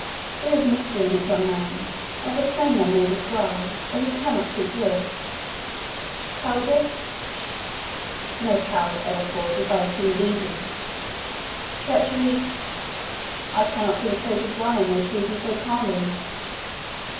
There is mystery in it, young man, as a plain man may descry, though he cannot see through it. Cowardice? Pshaw! No coward ever fought as I have seen thee do. Treachery? I cannot think traitors die in their treason so calmly.